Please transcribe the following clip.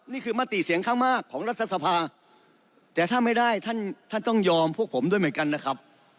มติเสียงข้างมากของรัฐสภาแต่ถ้าไม่ได้ท่านท่านต้องยอมพวกผมด้วยเหมือนกันนะครับ